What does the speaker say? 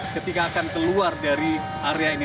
ketika akan keluar dari area ini